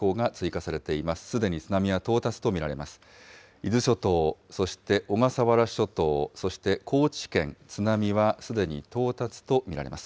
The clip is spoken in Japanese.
伊豆諸島、そして小笠原諸島、そして高知県、津波はすでに到達と見られます。